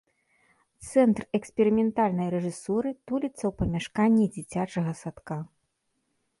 Цэнтр эксперыментальнай рэжысуры туліцца ў памяшканні дзіцячага садка.